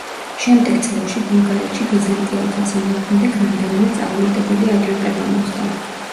შემდეგ წლებში ბულგარეთში ბიზანტიელთა წინააღმდეგ რამდენიმე წარუმატებელი აჯანყება მოხდა.